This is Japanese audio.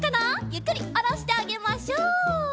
ゆっくりおろしてあげましょう。